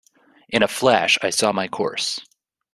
In a flash I saw my course.